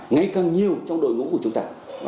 ngay càng nhiều trong đội ngũ của chúng ta